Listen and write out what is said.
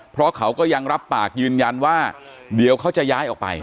เพราะเขาก็ยังรับปากยืนยันว่าเดี๋ยวเขาจะย้ายออกไป